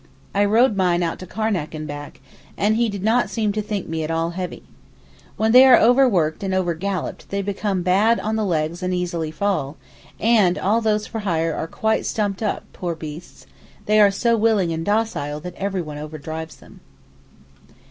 I rode mine out to Karnac and back, and he did not seem to think me at all heavy. When they are overworked and overgalloped they become bad on the legs and easily fall, and all those for hire are quite stumped up, poor beasts—they are so willing and docile that everyone overdrives them.